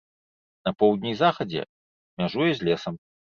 На поўдні і захадзе мяжуе з лесам.